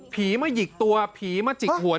ผีมาหยิกตัวผีมาจิกหัว